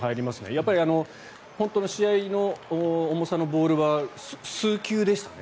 やっぱり本当の試合の重さのボールは数球でしたね。